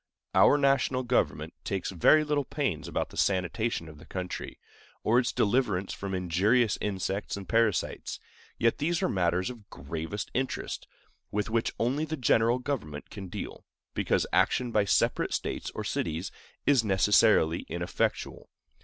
Our national government takes very little pains about the sanitation of the country, or its deliverance from injurious insects and parasites; yet these are matters of gravest interest, with which only the general government can deal, because action by separate States or cities is necessarily ineffectual.